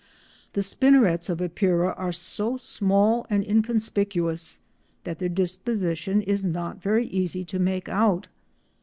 The spinnerets of Epeira are so small and inconspicuous that their disposition is not very easy to make out.